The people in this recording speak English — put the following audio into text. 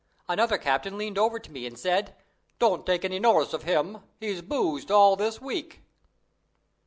Another captain leaned over to me and said, 'Don't take any notice of him, he's boozed all this week.'